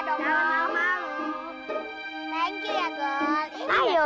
gak usah malu malu